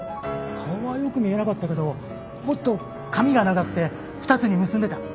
顔はよく見えなかったけどもっと髪が長くて２つに結んでた。